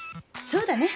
そうだよ。